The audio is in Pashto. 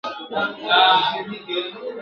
د صابرانو سره خدای ج ملګری وي ..